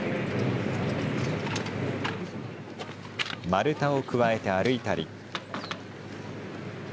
丸太をくわえて歩いたり。